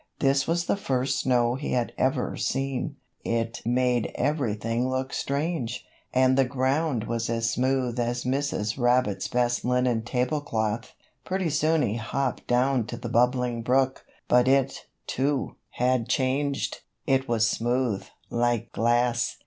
This was the first snow he had ever seen. It made everything look strange, and the ground was as smooth as Mrs. Rabbit's best linen tablecloth. Pretty soon he hopped down to the Bubbling Brook, but it, too, had changed. It was smooth, like glass.